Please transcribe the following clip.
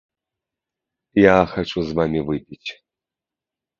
Я хачу з вамі выпіць.